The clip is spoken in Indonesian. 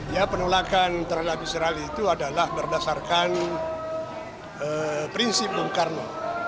ya penolakan terhadap israel itu adalah berdasarkan prinsip bung karno